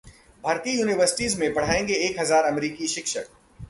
भारतीय यूनिवर्सिटीज में पढ़ाएंगे एक हजार अमेरिकी शिक्षक